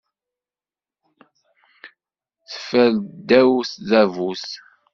Teffer ddaw tdabut.